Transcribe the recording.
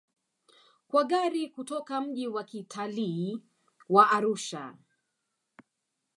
Kwa gari kutoka mji wa kitalii wa Arusha